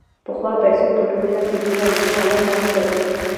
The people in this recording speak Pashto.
پخوا پیسو په ټولنه کې دومره مهمه ونډه نه درلوده